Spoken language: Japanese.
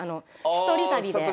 一人旅で。